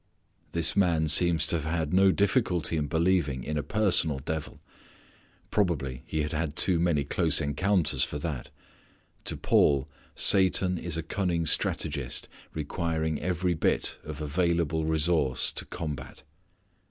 This man seems to have had no difficulty in believing in a personal devil. Probably he had had too many close encounters for that. To Paul Satan is a cunning strategist requiring every bit of available resource to combat.